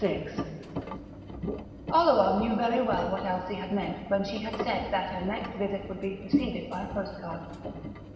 VI Oleron knew very well what Elsie had meant when she had said that her next visit would be preceded by a postcard.